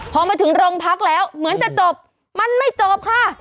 พอมาถึงโรงพักแล้วเหมือนจะจบมันไม่จบค่ะ